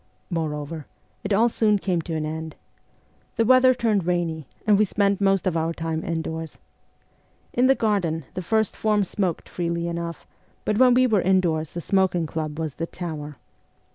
Moreover, it all soon came to an end. The weather turned rainy, and we spent most of our time indoors. In the garden the first form smoked freely enough, but when we were indoors the smoking club was ' the tower.'